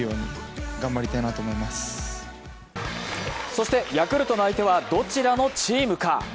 そしてヤクルトの相手はどちらのチームか。